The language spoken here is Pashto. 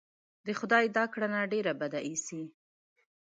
د خدای دا کړنه ډېره بده اېسي.